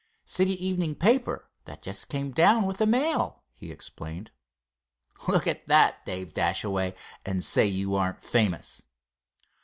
"City evening paper, that just came down with the mail," he explained. "Look at that, Dave Dashaway, and say you aren't famous!"